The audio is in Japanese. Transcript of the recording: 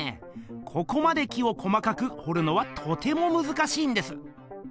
ここまで木を細かくほるのはとてもむずかしいんです。